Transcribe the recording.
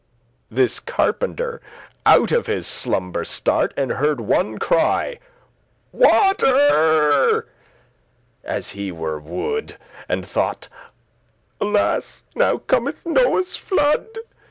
This carpenter out of his slumber start, And heard one cry "Water," as he were wood*, *mad And thought, "Alas! now cometh Noe's flood."